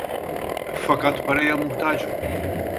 Fakat paraya muhtacım…